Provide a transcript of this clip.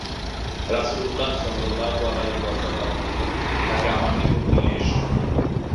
রাসূলুল্লাহ সাল্লাল্লাহু আলাইহি ওয়াসাল্লাম বললেন, তাকে আমার নিকট নিয়ে এস।